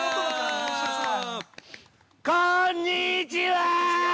◆こんにちは！